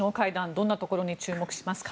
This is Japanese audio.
どんなところに注目しますか？